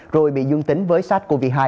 rồi bị dương tính với sars cov hai